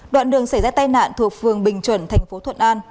đoạn đường xảy ra tai nạn thuộc phường bình chuẩn thành phố thuận an